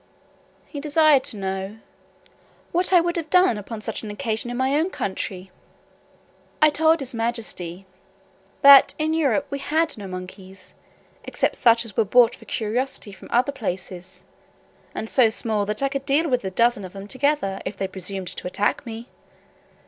He desired to know, "what I would have done upon such an occasion in my own country." I told his majesty, "that in Europe we had no monkeys, except such as were brought for curiosity from other places, and so small, that I could deal with a dozen of them together, if they presumed to attack me.